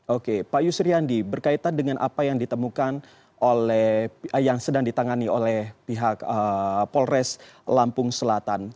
oke pak yusriandi berkaitan dengan apa yang ditemukan oleh yang sedang ditangani oleh pihak polres lampung selatan